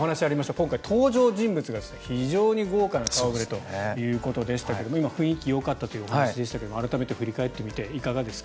今回、登場人物が非常に豪華な顔触れということですが今、雰囲気よかったというお話でしたが改めて振り返ってみていかがですか？